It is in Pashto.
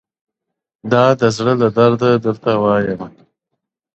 o د زړه له درده درته وايمه دا.